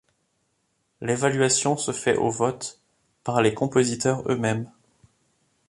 L'évaluation se fait au vote, par les compositeurs eux-mêmes.